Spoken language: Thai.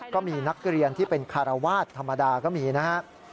ก็มีนักเรียนที่เป็นคารวาสธรรมดาก็มีนะครับ